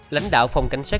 lãnh đạo phòng cảnh sát